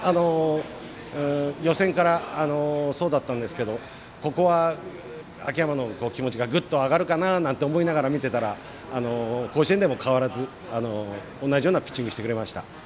予選からそうだったんですがここは、秋山の気持ちがぐっと上がるかななんて思いながら見ていたら甲子園でも変わらず、同じようなピッチングしてくれました。